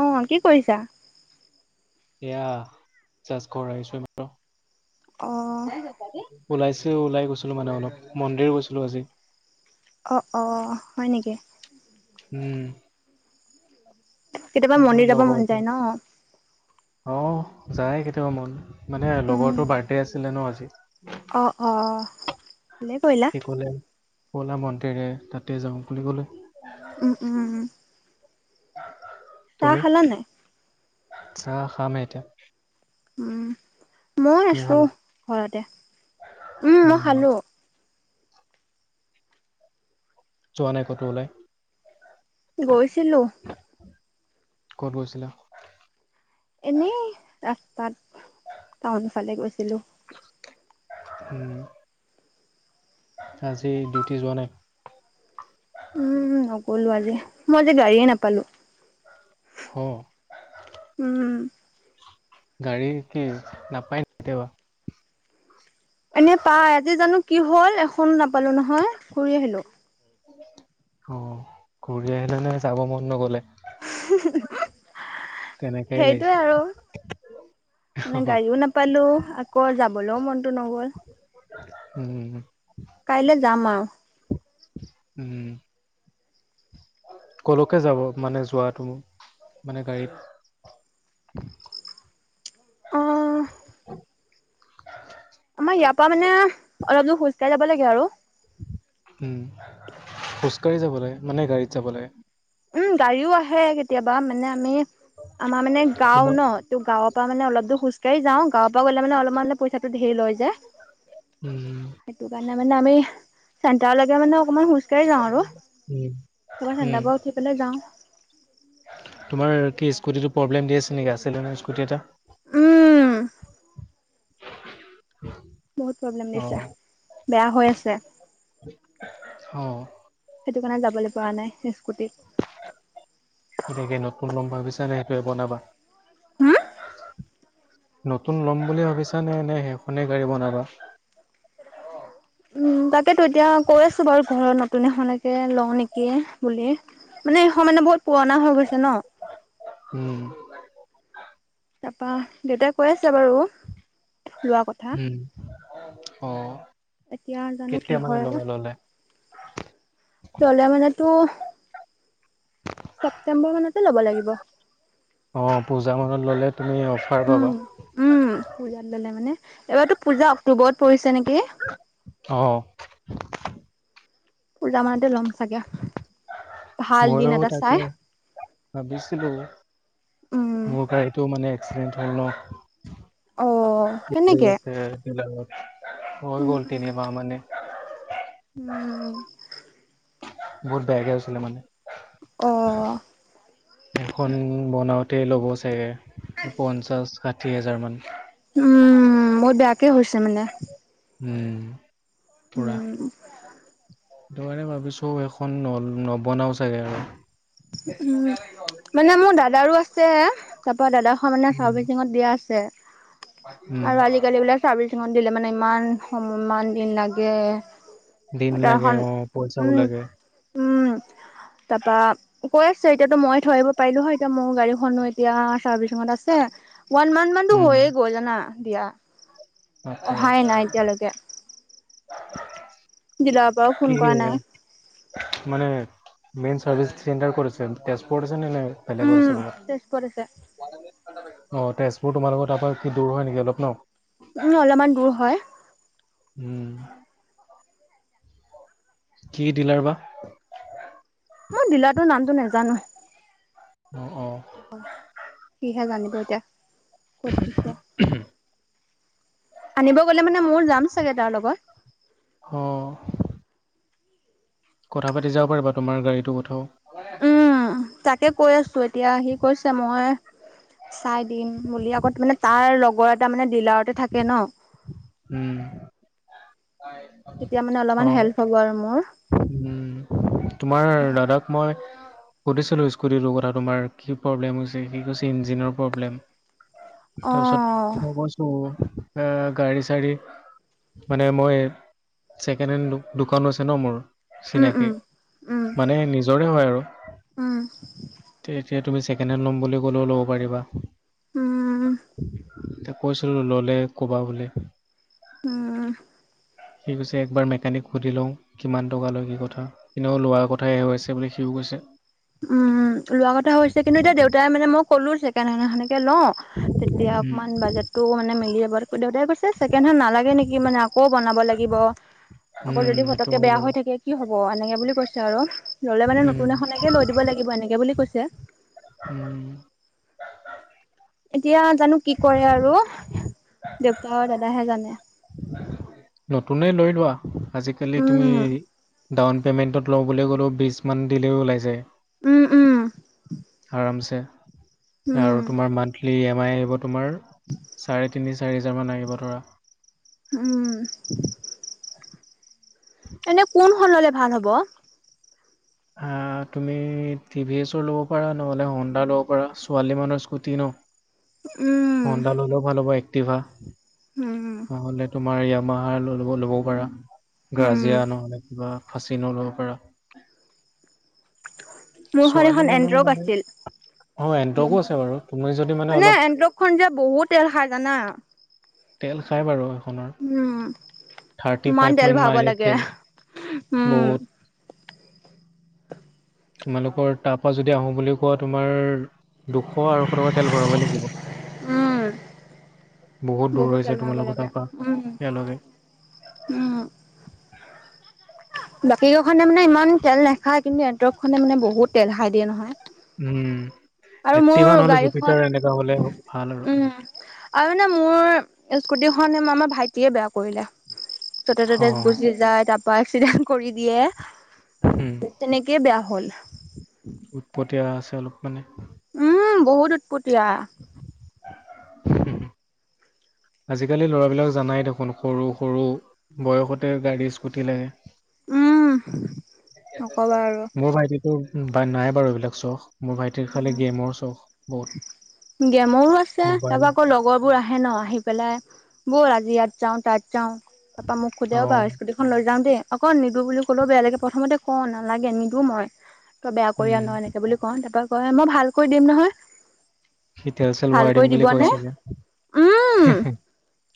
অ', কি কৰিছা? এয়া জাষ্ট কৰাইছো এমাত্ৰ অ', ওলাইছে ওলাই গৈছিলো মানে অলপ, মন্দিৰ গৈছিলো আজি। অ' অ', হয় নেকি? উম। কেতিয়াবা মন্দিৰ যাব লগৰ মন এটা। যায় ন। অ যায় কেতিয়াবা মন, মানে উম, লগৰটো বাৰ্থডে আছিলে ন আজি। অ' অ', ভালে কৰিলা। কলা মন্দিৰে, তাতে যাওঁ বুলি কলে। উম, উম। [unintelligible] চাহ খালা নাই? আচ্ছা, খাৱা নাই এতিয়া। উম, মই তুমি আছো খালা ঘৰতে। উম, মই উম খালো। যোৱা নাই ক'তো ওলাই? গৈছিলো। ক'ত গৈছিলা এনেই ৰাস্তাত টাউন ফালে গৈছিলো উম আজি ডিউটি যোৱা নাই উম নগলো আজি মই যে গাড়ীয়ে নাপালো অ উম গাড়ী কি নাপায় নে কেতিয়াবা এনে পাই আজি জানো কি হল এখনো নাপালো নহয় ঘূৰি আহিলো অ ঘূৰি আহিলে নে যাব মন নগলে [unintelligible] তেনেকাই সেইটোৱে লাগিছে আৰু মানে গাড়ীও নাপালো আকৌ যাবলৈও মনটো নগল উম কাইলে যাম আৰু উম কলৈকে যাব মানে যোৱাটো মানে গাড়ীত [unintelligible] অ আমাৰ ইয়াৰ পৰা মানে অলপ দূৰ খোজ কাঢ়ি যাব লাগে আৰু উম খোজকাঢ়ি যাব লাগে মানে গাড়ীত যাব লাগে উম গাড়ীও আহে কেতিয়াবা মানে আমি আমাৰ মানে গাওঁ তোমাৰ ন ত গাঁওত ত মান অলপ দূৰ খোজকাঢ়ি যাওঁ গাৱৰ পৰা গ'লে মানে অলমানতে পইচাটো ধেই লয় যে উম নে মানে আমি চেন্টাৰলৈকে মানে অকণমান খোজকাঢ়ি যাওঁ আৰু উম, তোমাৰ চেন্টাৰ উম, পৰা উঠি যাওঁ তোমাৰ কি স্কুটিটো প্ৰব্লেম দি আছে নেকি আছিলে নহয় স্কুটি এটা উম [unintelligible] বহুত প্ৰব্লেম দিছে অ', বেয়া হৈ আছে অ', সেইটো কাৰণে যাবলৈ পৰা নাই স্কুটিত হেনেকে নতুন লম ভাবিছা নে সেইটোৱেই বনাবা হম নতুন লম বুলি ভাবিছা না নে সেইখনেই গাড়ী বনাবা অহ উম তাকেতো এতিয়া কৈ আছো বাৰু ঘৰত নতুন এখন লাগে লওঁ নেকি বুলি মানে এই সমানে বহুত পুৰণা হৈ গৈছে ন উম তাৰপা দেউতাই কৈ আছে বাৰু লোৱা কথা অ‌', এতিয়া জানো কি হয় আৰু চলে মানে তু ছেপ্টেম্বৰ মানতে ল'ব লাগিব। অহ, পূজা মানত ল'লে তুমি অফাৰ উম পাবা। উম পূজাত ল'লে মানে এইবাৰতো পূজা অক্টোবৰত পৰিছে নেকি? অহ পূজা মানতে ল'ম চাগে। ভাল দিন মইয়ো এটা তাকে চাই ভাবিছিলো উম। মোৰ গাড়ীটো মানে এক্সিডেন্ট হ'ল ন' অ কেনেকে [unintelligible] হৈ উম গ'ল উম তিনিমাহ মানে। উম বহুত বেয়াকে হৈছিলে মানে। অ', এখন বনাওঁতে ল'ব চাগে পঞ্চাশ, ষাঠি হাজাৰ মান। উম, বহুত বেয়াকে হৈছে মানে। উম পুৰা উম সেইটো কাৰণে ভাবিছো এখন নবনাও চাগে আৰু উম। [unintelligible] মানে মোৰ দাদাৰো আছে তাৰ পৰা দাদা খন মানে চাৰ্ভিচিঙত দিয়া আছে। উম আৰু আজিকালি বোলে চাৰ্ভিচ ছাৰ্ভিচিঙত দিলে মানে ইমান সম ইমান দিন লাগে। দিন লাগে তাৰখন অহ পইচাও উম, লাগে। উম, তা‌পা কৈ আছে এতিয়াতো মই থৈ আহিব পাৰিলো হয় এতিয়া মোৰ গাড়ীখনো এতিয়া চাৰ্ভিচিঙত আছে ওৱান মান্থ মানতো উম হৈয়ে গ'ল জানা দিয়া বাপৰে অহাই নাই এতিয়ালৈকে। ডিলাৰৰ পৰাও ফোন কি মানে কৰা নাই। -মানে মেইন চাৰ্ভিছ চেণ্টাৰ কত আছে তেজপুৰত উম, আছে? তেজপুৰত আছে। [unintelligible] অহ তেজপুৰ তোমালোকৰ তাৰ পৰা কি অলপ দূৰ হয় নেকি নহ? উম, অলপমান দূৰ হয়। উম কি ডিলাৰ বা মই ডিলাটোৰ নামটো নেজানো। অ অহ, সি হে জানিব এতিয়া ক'ত দিছে আনিব গ'লে মানে মইও যাম চাগে তাৰ লগত। হ কথা- পাতি যাব পাৰিবা তোমাৰ গাড়ীটো কথাও উম, তাকে কৈ আছো এতিয়া সি কৈছে মই চাই দিম বুলি তাৰ মানে তাৰ লগৰ এটা মানে ডিলাৰতে থাকে ন' উম তেতিয়া মানে অলপমান অ' হেল্প হ'ব আৰু মোৰ। উম, তোমাৰ দাদাক মই সুধিছিলো স্কুটিটোৰ কথা তোমাৰ কি প্ৰব্লেম হৈছে সি কৈছে ইঞ্জিনৰ প্ৰব্লেম। তাৰপিছত অ', মই কৈছো এ গাড়ী - ছাড়ী মানে মই ছেকেণ্ড হেণ্ড দোকানো আছে ন' মোৰ উম, চিনাকি উম, উম, মানে নিজৰে হয় আৰু উম, [inaudible] তে এতিয়া তুমি ছেকেণ্ড হেণ্ড ল'ম বুলি ক'লেও' লব পাৰিবা। উম এতিয়া কৈছিলো ললে ক'বা বুলি উম সি কৈছে একবাৰ মেকানিক সুধি লওঁ কিমান টকা লয় কি কথা কিন্তু আকৌ লোৱাৰ কথাই হৈ আছে বুলি সিও কৈছে উম লোৱা কথা হৈছে কিন্তু এতিয়া দেউতাই মানে মই ক'লো ছেকেণ্ড হেণ্ড এখন কে লও তেতিয়া উম, অকণমান বাজেটটো মানে মিলি যাব দেউতাই কৈছে ছেকেণ্ড হেড নালাগে নেকি মানে আকৌ বনাব লাগিব আকৌ উম, যদি সেইটো পতককে হয় বেয়া বাৰু। হৈ থাকে কি হব হ'ব এনেকে বুলি কৈছে আৰু ল'লে মানে উম, নতুন এখননেকে লৈ লৈ দিব এনেকে বুলি কৈছে। উম। এতিয়া জানো কি কৰে আৰু দেউতা আৰু দাদাহে জানে। নতুনে লৈ লোৱা আজিকালি তুমি উম ডাউন পে'মেণ্টত লৈ বুলি' ক'লে বিছ মান দিলেই ওলাই যায়। উম উম আৰামছে উম আৰু তোমাৰ মন্তলি ই এম আই এইবোৰত তোমাৰ চাৰে তিনি চাৰি হাজাৰ মান আহিব ধৰা। উম এনে কোন খন ললে ভাল হ'ব অ তুমি টি ভি এছৰ ল'ব পাৰা নহ'লে হন্দা ল'ব পাৰা ছোৱালী মানুহৰ স্কুটি ন [unintelligible] উম হন্দা হ'লেও ভাল হব এক্টিভা উম আমাৰ ইয়ামাহাৰ লব ল'ব পাৰা উম গাজিয়া নহলে কিবা ফাঁচি নল'ব পাৰা মোৰখন ছোৱালী এখন মানুহৰ এনড্ৰক মানে আছিল অ', এণ্টৰ্কো আছে বাৰু তুমি যদি মানে অলপ এনড্ৰকখন যে বহুত তেল খাই জানা। তেল খাই বাৰু সেখনৰ উম থাৰ্টি ইমান ফাইভ তেল মান ভৰাব লাগে মাৰিছে উম বহুত তোমালোকৰ তাৰ পৰা যদি আহো বুলি কোৱা তোমাৰ দুশ আঢ়ৈশ টকাৰ তেল ভৰাবই লাগিব উম বহুত দূৰ তেল হৈছে ভৰাব তোমাৰ লগত লাগে তাৰ পৰা উম ইয়াৰ লৈকে উম বাকী গাওখনে মানে ইমান তেল নাখায় কিন্তু এন্দক খনে মানে বহুত তেল খাই দিয়ে নহয় উম আৰু মোৰ এক্টিভা নহলে গাড়ীখন জুপিটাৰ এনেকা হলে ভাল আৰু উম আৰু মানে মোৰ স্কুটি আমাৰ ভাইটিয়ে বেয়া কৰিলে জতে অ ততে গুজি যায় তাৰ এক্সিডেণ্ট কৰি দিয়ে উম তেনেকেই বেয়া হ'ল। উৎপতীয়া আছে অলপ মানে উম বহুত উৎপতিয়া আজিকালি ল'ৰাবিলাক জানাই দেখোন সৰু সৰু বয়সতে গাড়ী স্কুটি লাগে। উম নকবা আৰু। মোৰ ভাইটিটো নাই বাৰু এইবিলাক চখ মোৰ ভাইটিৰ খালি উম গেমৰ চখ বহুত গেমৰো আছে মোবাইল তাৰপা আকৌ লগৰ বোৰ আহে আহে ন আহি পেলাই ব'ল আজি ইয়াত যাওঁ তাত যাও তাপা মোক অ সোধেও বা স্কুটিখন লৈ যাওঁ দেই অক নিদো বুলি ক'লেও বেয়া লাগে প্ৰথমতে কও নালাগে নিদো মই তই বেয়া কৰি উম আন এনেকে বুলি ক তাৰ পৰা কয় মই ভাল কৰি দিম নহয় সি তেল চেল ভাল ভৰাই কৰি দিম বুলি কয় দিবনে ছাগে হে হে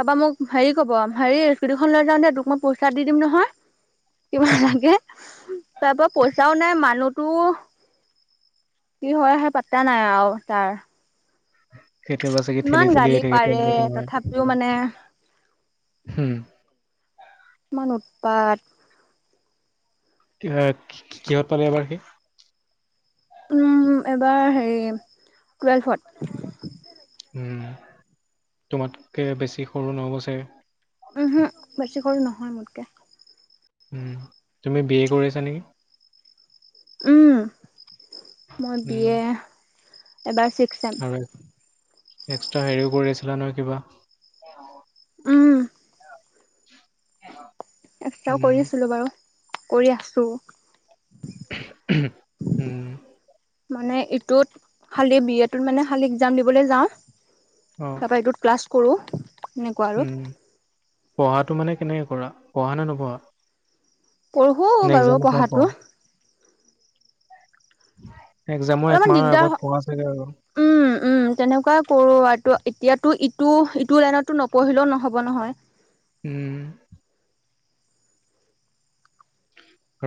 তাৰপা মোক হেৰি কব হেৰি স্কুতি খন লৈ যাওঁ দে তোক মই পইচা দি দিম নহয়। কিমান লাগে তাৰ পৰা পইচাও নাই মানুহতো কি হয় আহে পাতা নাই আৰু তাৰ। কেতিয়াবা চাগে ঠেলি ইমান ঠেলি আহি গালি থাকে তেল পাৰে খতম হয় তথাপিও মানে হম ইমান উৎপাত কিহত পালে এবাৰ সি উম এবাৰ হেৰি টুৱেলভত তোমাতকে বেছি সৰু নহ'ব চাগে উম হুম বেছিকৈ নহয় মোতকে তুমি বি এ কৰি আছা নেকি উম মই বি উম এ এবাৰ ছিক্স এম আৰু এক্সট্ৰা হেৰিও কৰি আছিলা নহয় কিবা উম, অঅঁ এক্সট্ৰা কৰি আছিলো বাৰু কৰি আছো উম মানে ইটোত খালি বি এটোত মানে খালি একজাম দিবলৈ যাওঁ অ তাৰ এইটোত ক্লা কৰোঁ এনেকুৱা আৰু উম পঢ়াটো মানে কেনেকে কৰা পঢ়া নে নপঢ়া পঢ়ো নে বাৰু এক্সামৰ সময়ত পঢ়া পঢ়াটো উ অলপমান দিগদাৰ হয় উম উম তেনেকুৱাই কৰো আৰু এতিয়াতো টো ইটো লাইনততো নপঢ়িলেও নহ'ব নহয় উম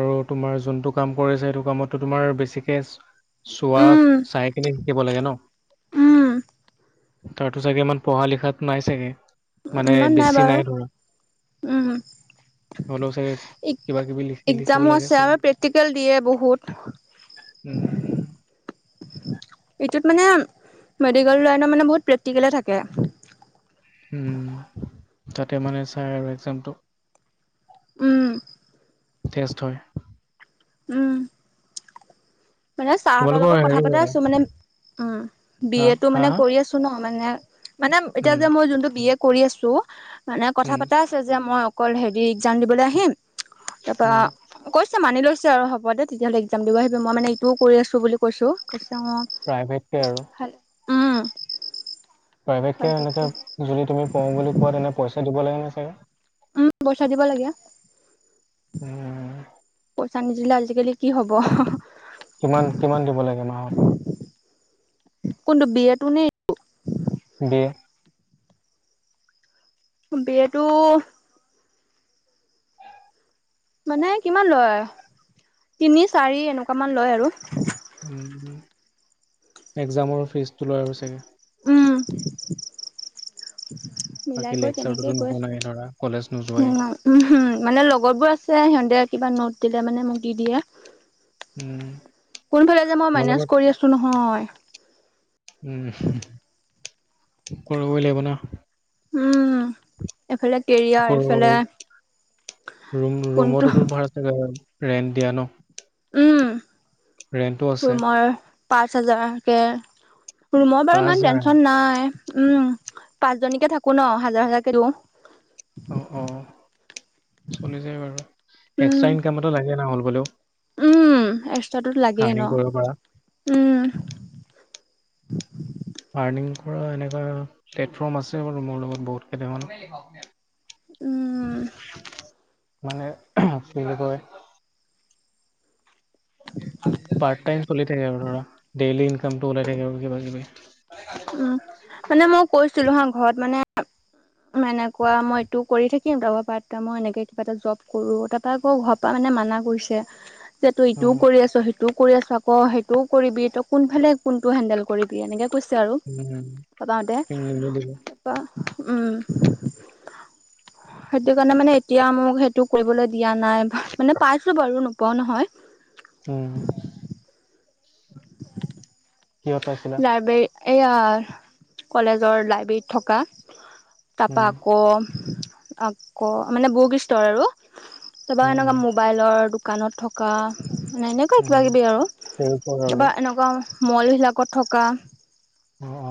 আৰু তোমাৰ যোনটো কাম কৰিছে সেইটো কামতটো তোমাৰ বেছিকে চোৱা উম, চাই কিনে শিকিব লাগে ন উম, তাতো চাগে ইমান পঢ়া লিখাত নাই চাগে মানে ইমান বেছি বাৰু নাই ধৰা উম হ'লেও চাগে কিবা কিবি লিখি লিখিব একজামো লাগে আছে চাগে আৰু প্ৰেক্টিকেল দিয়ে বহুত উম উম এইটোত মানে মেডিকেল লাইনৰ মানে বহুত প্ৰেক্টিকলে থাকে উম তাতে মানে চাই আৰু এক্জামটো উম তেটজ হয় উম মানে ছাৰাহতৰ তোমালোকৰ লগত কথা হেৰি পতা আছো মানে উ বি হা এ তটো হা মানে হা কৰি আছো ন মানে মানে এতিয়া উম যে মই যোনটো বি এ কৰি আছো মানে কথা উম পাতা আছে যে মই অকল হেৰি এক্জাম দিবলৈ আহিম তাৰ পৰা উম কৈছ মানি লৈছ আৰু হ'ব দে তেতিয়াহ'লে এক্জাম দিব আহিব মই মানে এইটোও কৰি আছো বুলি কৈছো তেওঁ প্ৰাইভেটকে আৰু ভাল উম প্ৰাইভেট কে এনেকে পাৰফেক্টকে যদি তুমি পো বুলি কোৱা তেনে পইচা দিব লাগে নে চাগে উম বইচা দিব লাগে উম চানী জিলা আজিকালি কি হ'ব কিমান কিমান দিব লাগে মাহত কোনটো বিয়াতটো নো [unintelligible] বি এ টো মানে কিমান লয় তিনি চাৰি এনেকুৱামান লয় আৰু উ একজামৰ ফিজটো লয় আৰু চাগে উম বাকী মিলাই কৰি লেকচাৰটোতো তেনেকেই গৈ নুশুনাই আছো ধৰা কলেজ নোযোৱাই উমম মানে লগৰ বোৰ আছে যে সিহঁতে কিবা নোট দিলে মানে মোক দি দিয়ে উম কোনফালে যে মই তোমালোকৰ মেনেজ কৰি আছো নহয় উম কৰিবই লাগিব না। উম এইফালে আকৌ কেৰিয়াৰ এইফালে। ৰুম কোনটো ৰুমতোতো ভা় চ ৰেন্ট দিয়া ন। উম ৰেণ্টো আছে ্ ৰুমৰ পাঁচ হাজাৰকৈ ৰুমৰ পাঁচ বাৰু ইমান হাজাৰ টেন্চন নাই। উম পাঁচজনীকে থাকো ন হাজাৰ হাজাৰকে দিওঁ। অ অ চলি যায় বাৰু উম এক্সট্ৰা ইনকামো লাগে ন হ'ল বোলেও। উম এক্সট্ৰাটোতো লাগেই ন কৰিব পৰা উম। আৰ্নিিং কৰা এনেকুৱা প্লেটফৰ্ম আছে বাৰু মোৰ লগত বহুত কেইটামান। উম। মানে কি বুলি কয়। পাৰট টাই চলি থাকে আৰু ধৰা ডেইলি ইনকামটো লাই থাকে কিবা কিবি। উম মানে মই কৈছিলো হা ঘৰত মানে। [unintelligible] এনেকুৱা মই এইটো কৰি থাকিম। তাৰ পৰা পাৰ্ট টাইমো মই এনেকে কিবা এটা জব কৰোঁ, তাৰ পৰা আকৌ ঘৰ পৰা মানে মানা কৰিছে যে তই অ ইটোও কৰি আছ সেইটোও। কৰি আছোঁ আকৌ সেইটোও কৰিবি তই কোনফালে কোনটো হেণ্ডেল কৰিবি এনেকে কৈছে। সে আৰু উম নিমিলিব [unintelligible] তাপা উম সেইটো কাৰণে মানে এতিয়া মোক সেইটো কৰিবলৈ দিয়া নাই মানে পাইছো বাৰু নোপোৱাও নহয়। উম। [unintelligible] কিহঁত পাইছিলা। লাইব্ৰেৰী এইয়া কলেজৰ লাইব্ৰেৰীত থকা তাপা উম আকৌ। আকৌ মানে বুক ষ্টৰ আৰু তাৰপৰা উম এনেকুৱা উম মোবাইলৰ। দোকানত থকা মানে এনেকুৱা কিবা উম কিবি আৰু চেলচৰ আৰু তাৰপৰা এনেকুৱা মল বিলাক অত থকা। অ অ।